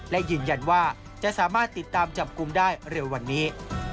และยืนยันว่าจะสามารถติดตามจับกลุ่มได้เร็ววันนี้